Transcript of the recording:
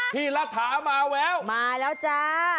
พี่ระถามาแววมาแล้วจ่า